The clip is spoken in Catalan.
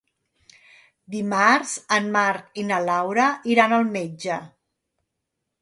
Dimarts en Marc i na Laura iran al metge.